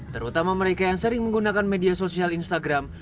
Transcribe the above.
terutama mereka yang sering menggunakan media sosial instagram